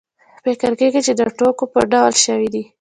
فکر کېږي چې د ټوکو په ډول شوې دي.